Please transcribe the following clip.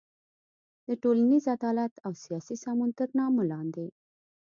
د ټولنیز عدالت او سیاسي سمون تر نامه لاندې